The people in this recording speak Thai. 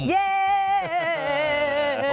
เย้